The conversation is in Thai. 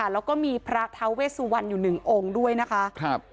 แล้วก็มีพระท้าเวสุวรรณอยู่หนึ่งองค์ด้วยนะคะ